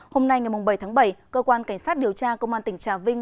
hôm nay ngày bảy tháng bảy cơ quan cảnh sát điều tra công an tỉnh trà vinh